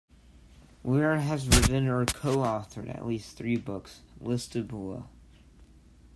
Weir has written or co-authored at least three books, listed below.